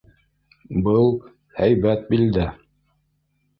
Был - һәйбәт билдә.